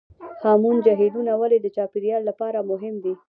هامون جهیلونه ولې د چاپیریال لپاره مهم دي؟